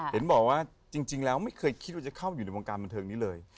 เห็นบอกว่าจริงแล้วไม่เคยคิดว่าจะเข้ามาอยู่ในวงการบันเทิงนี้เลย